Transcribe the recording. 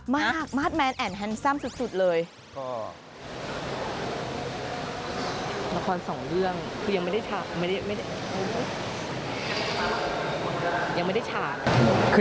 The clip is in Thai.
มาสแมนแอนแฮนซัมสุดเลย